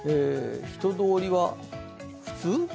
人通りは普通？